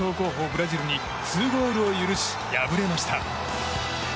ブラジルに２ゴールを許し、敗れました。